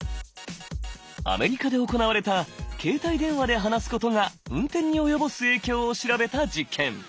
アメリカで行われた携帯電話で話すことが運転に及ぼす影響を調べた実験。